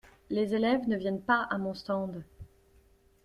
Les élèves ne viennent pas à mon stand.